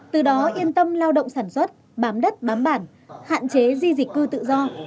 từ đó yên tâm lao động sản xuất bám đất bám bản hạn chế di dịch cư tự do